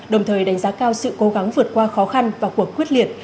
đồng thời đánh giá cao sự cố gắng vượt qua khó khăn và cuộc quyết liệt